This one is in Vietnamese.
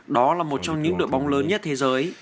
đó là một trong những đội bóng lớn nhất thế giới